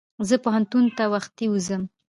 زه پوهنتون ته وختي ورځم.